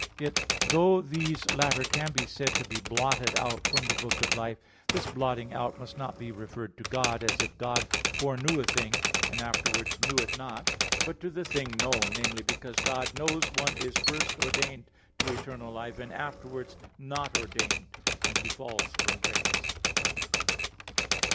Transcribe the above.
Yet though these latter can be said to be blotted out of the book of life, this blotting out must not be referred to God, as if God foreknew a thing, and afterwards knew it not; but to the thing known, namely, because God knows one is first ordained to eternal life, and afterwards not ordained when he falls from grace.